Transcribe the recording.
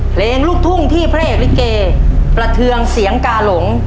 เพลงลูกทุ่งที่พระเอกลิเกประเทืองเสียงกาหลง